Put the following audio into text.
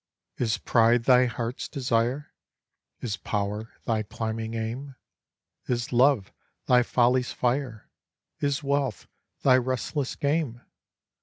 Is pride thy heart's desire? Is power thy climbing aim? Is love thy folly's fire? Is wealth thy restless game?